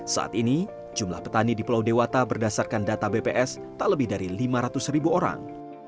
saat ini jumlah petani di pulau dewata berdasarkan data bps tak lebih dari lima ratus ribu orang